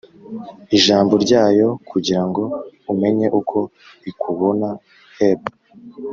Ijambo ryayo kugira ngo umenye uko ikubona Heb